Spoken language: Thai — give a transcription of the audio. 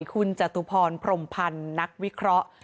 คุณจตุพรพรมพันธ์นักวิเคราะห์